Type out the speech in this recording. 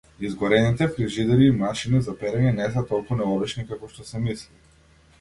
Изгорените фрижидери и машини за перење не се толку необични како што се мисли.